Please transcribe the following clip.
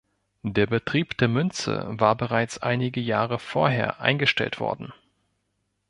Der Betrieb der Münze war bereits einige Jahre vorher eingestellt worden.